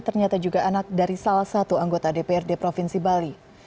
ternyata juga anak dari salah satu anggota dprd provinsi bali